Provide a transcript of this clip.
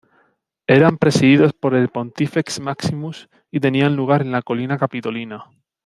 Eran presididos por el "Pontifex Maximus" y tenían lugar en la Colina Capitolina.